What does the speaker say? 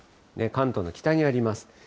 関東の北にあります。